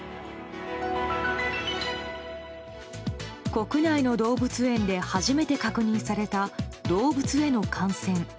国内の動物園で初めて確認された動物への感染。